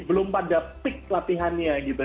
belum pada peak latihannya